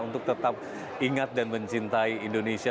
untuk tetap ingat dan mencintai indonesia